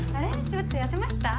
ちょっと痩せました？